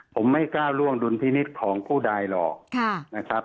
ผมไม่ก้าวล่วงดุลพินิษฐ์ของผู้ใดหรอกนะครับ